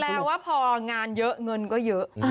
ว่าพองานเยอะเงินก็เยอะ